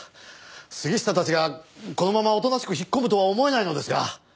杉下たちがこのままおとなしく引っ込むとは思えないのですが。